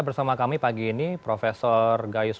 bersama kami pagi ini prof gayus